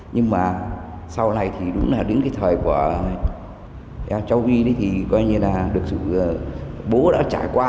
nhưng mà sau này thì đúng là đến cái thời của cháu uy thì coi như là được dù bố đã trải qua